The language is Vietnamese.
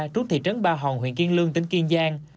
trú thị trấn ba hòn huyện kiên lương tỉnh kiên giang